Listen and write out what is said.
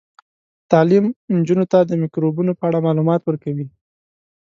تعلیم نجونو ته د میکروبونو په اړه معلومات ورکوي.